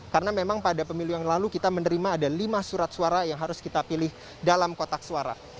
karena memang pada pemilu yang lalu kita menerima ada lima surat suara yang harus kita pilih dalam kotak suara